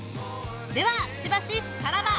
ではしばしさらば！